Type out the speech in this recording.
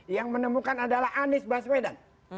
yang menemukan adalah anies baswedan